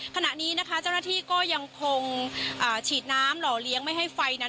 ขณะนี้นะคะเจ้าหน้าที่ก็ยังคงฉีดน้ำหล่อเลี้ยงไม่ให้ไฟนั้น